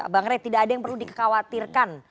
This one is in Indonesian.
bang rey tidak ada yang perlu dikhawatirkan